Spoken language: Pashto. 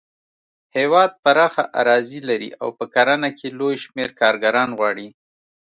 هېواد پراخه اراضي لري او په کرنه کې لوی شمېر کارګران غواړي.